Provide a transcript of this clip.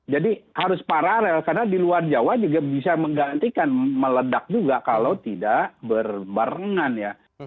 jadi harus paralel karena di luar jawa juga bisa menggantikan meledak juga kalau tidak berbarengan ya